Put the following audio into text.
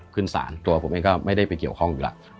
ขึ้นศาลตัวผมเองก็ไม่ได้ไปเกี่ยวข้องอยู่แล้ว